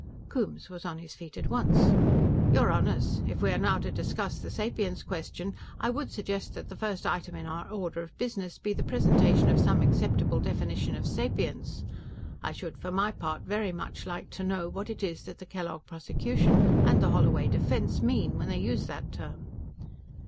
Coombes was on his feet at once. "Your Honors, if we are now to discuss the sapience question, I would suggest that the first item on our order of business be the presentation of some acceptable definition of sapience. I should, for my part, very much like to know what it is that the Kellogg prosecution and the Holloway defense mean when they use that term."